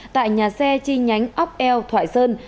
tại nhà xe chi nhánh ốc eo thoại sơn